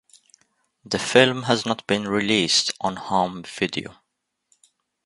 The film has not been released on home video.